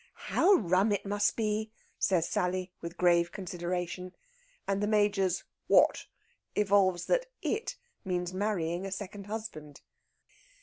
"How rum it must be!" says Sally, with grave consideration. And the Major's "What?" evolves that "it" means marrying a second husband.